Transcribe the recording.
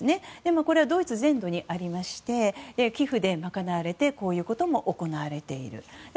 これはドイツ全土にありまして寄付で賄われてこういうことも行われています。